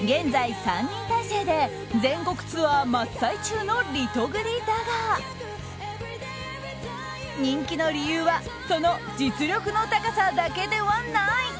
現在３人体制で全国ツアー真っ最中のリトグリだが人気の理由はその実力の高さだけではない。